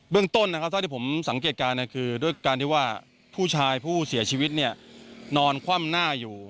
เรื่องต้นนะครับเท่าที่ผมสังเกตการณ์คือด้วยการที่ว่าผู้ชายผู้เสียชีวิตเนี่ยนอนคว่ำหน้าอยู่